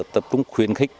tập trung khuyến khích